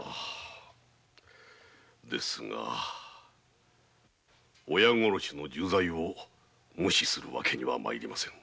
ですが親殺しの重罪を無視するわけには参りません。